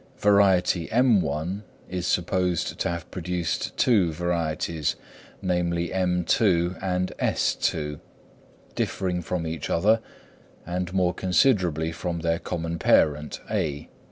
Variety _m_1 is supposed to have produced two varieties, namely _m_2 and _s_2, differing from each other, and more considerably from their common parent (A).